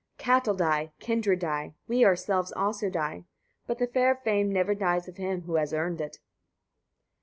76. Cattle die, kindred die, we ourselves also die; but the fair fame never dies of him who has earned it.